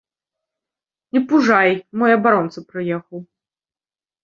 Не пужай, мой абаронца прыехаў.